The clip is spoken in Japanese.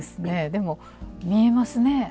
でも見えますね。